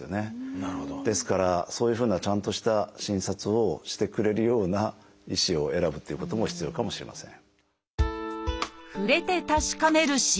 ですからそういうふうなちゃんとした診察をしてくれるような医師を選ぶっていうことも必要かもしれません。